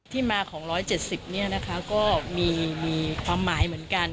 มาของ๑๗๐เนี่ยนะคะก็มีความหมายเหมือนกัน